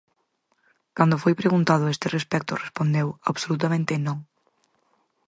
Cando foi preguntado a este respecto respondeu: "Absolutamente non".